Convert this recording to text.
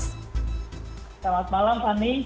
selamat malam pani